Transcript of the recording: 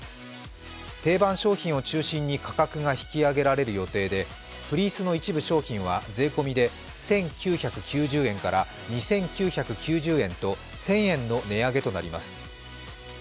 定番商品を中心に価格が引き上げられる予定で、フリースの一部商品は税込みで１９９０円から２９９０円と１０００円の値上げとなります。